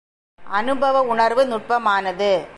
அநுபவ உணர்வு நுட்பமானது.